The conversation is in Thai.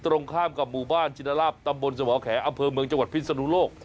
ตรงข้ามกับหมู่บ้านชินลาบตำบลสมแขอำเภอเมืองจังหวัดพิศนุโลก